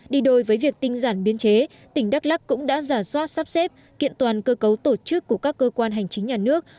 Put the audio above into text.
đi đôi với việc tinh giản biên chế tỉnh đắk lắc cũng đã giả soát sắp xếp kiện toàn cơ cấu tổ chức của các cơ quan hành chính nhà nước